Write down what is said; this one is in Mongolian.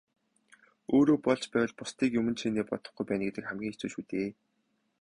Өөрөө болж байвал бусдыг юман чинээ бодохгүй байна гэдэг хамгийн хэцүү шүү дээ.